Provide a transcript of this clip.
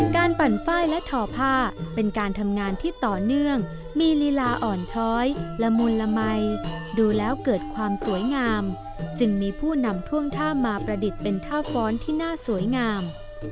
ปั่นป้ายและทอผ้าเป็นการทำงานที่ต่อเนื่องมีลีลาอ่อนช้อยละมุนละมัยดูแล้วเกิดความสวยงามจึงมีผู้นำท่วงท่ามาประดิษฐ์เป็นท่าฟ้อนที่น่าสวยงาม